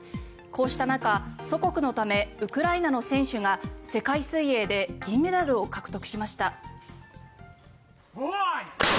こうした中、祖国のためウクライナの選手が世界水泳で銀メダルを獲得しました。